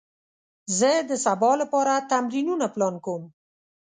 زه د سبا لپاره تمرینونه پلان کوم.